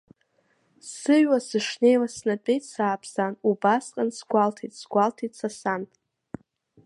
Сыҩуа сышнеиуаз снатәеит сааԥсан, убасҟан сгәалҭеит, сгәалҭеит са сан.